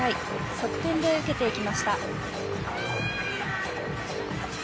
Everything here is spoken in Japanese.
側転で受けていきました。